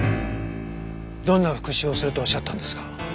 どんな復讐をするとおっしゃったんですか？